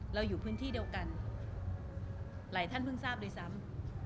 อยู่พื้นที่เดียวกันหลายท่านเพิ่งทราบด้วยซ้ำ